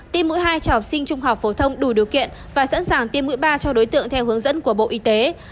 tiêm mũi hai cho học sinh trung học phổ thông đủ điều kiện và sẵn sàng tiêm mũi ba cho đối tượng theo hướng dẫn của bộ y tế